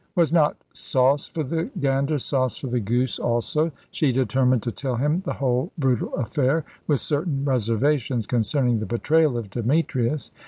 Was not sauce for the gander sauce for the goose also? She determined to tell him the whole brutal affair, with certain reservations concerning the betrayal of Demetrius.